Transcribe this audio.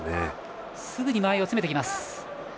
すぐに間合いを詰めてきます。